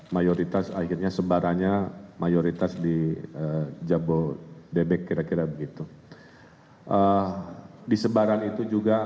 mayoritas akhirnya sebarannya mayoritas di jabodebek kira kira begitu di sebaran itu juga